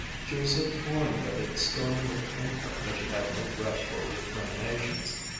She was so torn by the storm within her that she had no breath for recriminations.